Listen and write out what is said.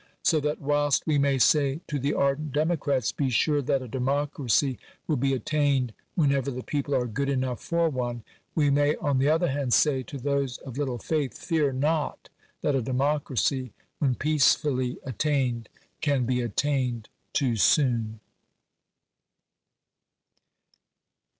So that whilst we may say to the ardent democrats —" Be sure that a democracy will be attained whenever the people are good enough for one" — we may on the other hand say to those of little faith — "Fear not that a democracy, when peacefully attained, can be attained too soon."